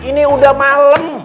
ini udah malem